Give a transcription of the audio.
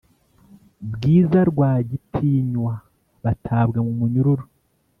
bwiza na rwagitinywa batabwa mumunyururu